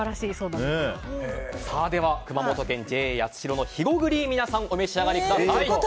熊本県ＪＡやつしろの肥後グリーンを皆さん、お召し上がりください。